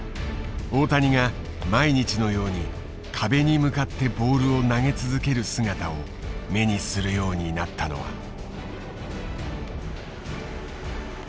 大谷が毎日のように壁に向かってボールを投げ続ける姿を目にするようになったのは。